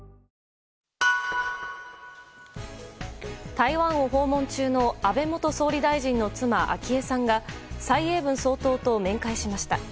台湾を訪問中の安倍元総理大臣の妻・昭恵さんが蔡英文総統と面会しました。